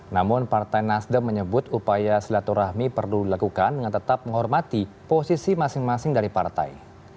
namun partai nasdem menyebut upaya silaturahmi perlu dilakukan dengan tetap menghormati posisi masing masing dari partai